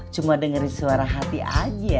cuma dengerin suara hati aja